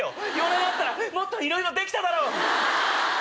４年あったらもっといろいろできただろ！